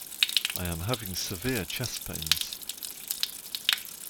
I am having severe chest pains.